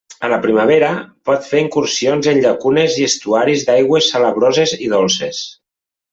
A la primavera, pot fer incursions en llacunes i estuaris d'aigües salabroses i dolces.